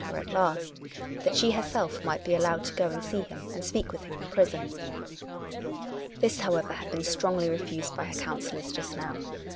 363 her at last, that she herself might be allowed to go and see him and speak with him in prison. This, however, had been strongly refused by her coun sellors just now.